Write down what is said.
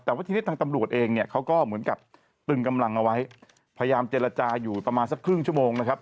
แต่ว่าทีนี้ทางตำรวจเองเนี่ยเขาก็เหมือนกับตึงกำลังเอาไว้พยายามเจรจาอยู่ประมาณสักครึ่งชั่วโมงนะครับ